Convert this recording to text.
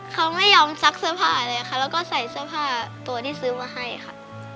เขาไม่ยอมซักเสื้อผ้าเลยค่ะแล้วก็ใส่เสื้อผ้าตัวที่ซื้อมาให้ค่ะ